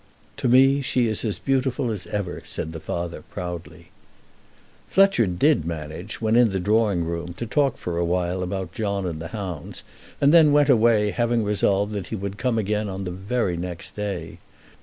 "To me she is as beautiful as ever," said the father proudly. Fletcher did manage, when in the drawing room, to talk for a while about John and the hounds, and then went away, having resolved that he would come again on the very next day.